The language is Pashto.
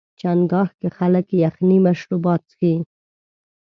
چنګاښ کې خلک یخني مشروبات څښي.